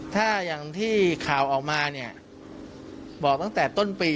ถ้าอย่างที่ข่าวออกมาเนี่ยบอกตั้งแต่ต้นปี